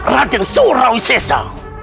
raden surawi sesa